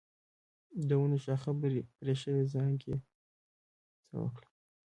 د ونو شاخه بري شوي څانګې څه کړم؟